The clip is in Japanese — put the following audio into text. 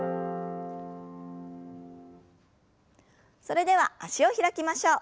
それでは脚を開きましょう。